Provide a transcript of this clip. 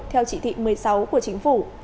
theo chỉ thị một mươi sáu của chính phủ